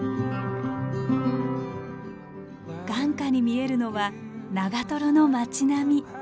眼下に見えるのは長瀞の町並み。